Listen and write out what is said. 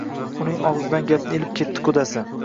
— Uning ogʼzidan gapni ilib ketdi qudasi.